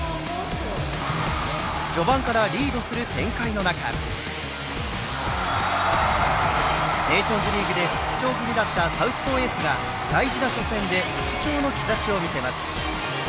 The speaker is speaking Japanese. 序盤からリードする展開の中ネーションズリーグで不調気味だったサウスポーエースが大事の初戦で復調の兆しを見せます。